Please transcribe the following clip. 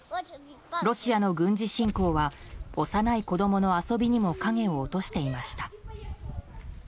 ロシアの軍事侵攻は幼い子供の遊びにも影を落としていました。